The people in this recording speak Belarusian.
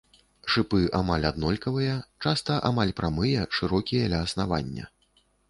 Шыпы амаль аднолькавыя, часта амаль прамыя, шырокія ля аснавання.